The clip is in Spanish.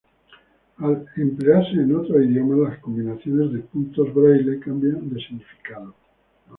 Al emplearse en otros idiomas, las combinaciones de puntos braille cambian de significado.